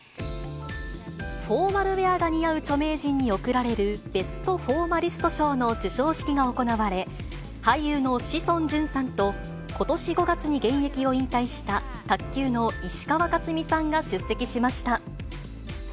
フォーマルウエアが似合う著名人に贈られる、ベストフォーマリスト賞の授賞式が行われ、俳優の志尊淳さんと、ことし５月に現役を引退した、卓球の石川佳純さんが出席しました。